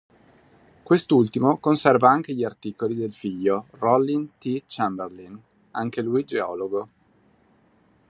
Quest'ultimo conserva anche gli articoli del figlio, Rollin T. Chamberlin, anche lui geologo.